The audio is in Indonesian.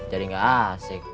jadi gak asik